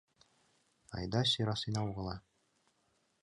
— Айда сӧрасена огыла...